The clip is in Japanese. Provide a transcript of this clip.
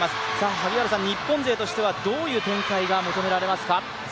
萩原さん、日本勢としてはどういう展開が求められますか？